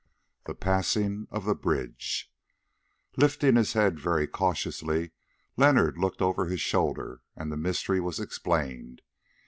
THE PASSING OF THE BRIDGE Lifting his head very cautiously, Leonard looked over his shoulder and the mystery was explained.